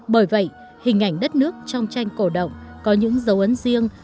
bởi vậy hình ảnh đất nước trong tranh cổ động có những dấu ấn riêng